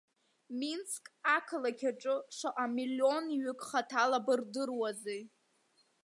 Минск ақалакь аҿы шаҟа миллионҩык хаҭала бырдыруазеи?